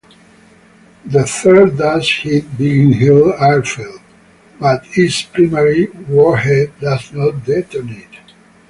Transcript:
The third does hit Biggin Hill airfield, but its primary warhead does not detonate.